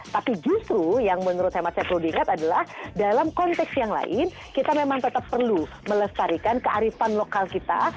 tapi justru yang menurut hemat saya perlu diingat adalah dalam konteks yang lain kita memang tetap perlu melestarikan kearifan lokal kita